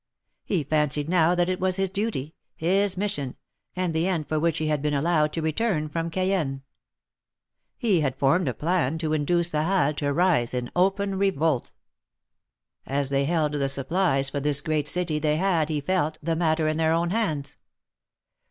He fancied now that it was his duty — his mission, and the end for which he had been allowed to return from Cayenne. He had formed a plan to induce the Halles to rise in open revolt. As they held the sup plies for this great city, they had, he felt, the matter in their own hands.